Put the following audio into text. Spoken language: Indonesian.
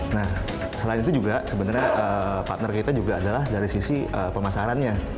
nah selain itu juga sebenarnya partner kita juga adalah dari sisi pemasarannya